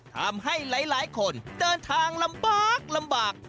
ทำให้หลายคนเดินทางลำบากลำบาก